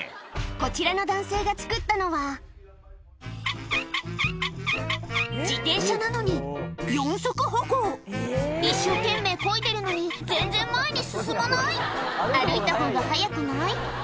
こちらの男性が作ったのは一生懸命こいでるのに全然前に進まない歩いたほうが早くない？